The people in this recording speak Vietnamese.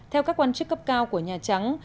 theo các quan chức cấp cao của nhà trắng